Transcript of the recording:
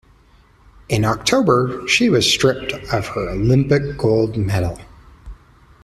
In October, she was stripped of her Olympic gold medal.